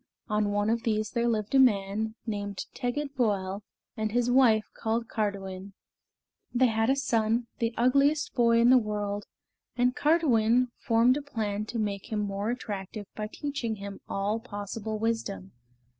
On one of these there lived a man named Tegid Voel and his wife called Cardiwen. They had a son, the ugliest boy in the world, and Cardiwen formed a plan to make him more attractive by teaching him all possible wisdom.